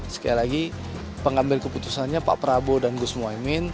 sekali lagi pengambil keputusannya pak prabowo dan gus mohaimin